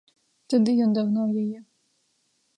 Тады ён дагнаў яе.